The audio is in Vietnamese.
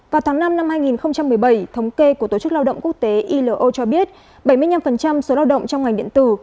vào tháng năm năm hai nghìn một mươi bảy thống kê của tổ chức lao động quốc tế ilo cho biết bảy mươi năm số lao động trong ngành điện tử